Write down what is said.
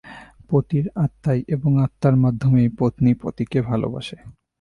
পতির আত্মায় এবং আত্মার মাধ্যমেই পত্নী পতিকে ভালবাসে।